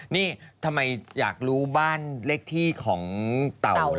นี่ทำไมอยากรู้บ้านเลขที่ของเต่า